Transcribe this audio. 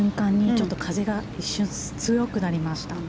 ちょっと風が一瞬強くなりました。